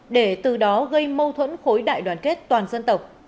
để từ đó gây mâu thuẫn khối đại đoàn kết toàn dân tộc